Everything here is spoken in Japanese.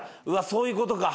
そういうことか。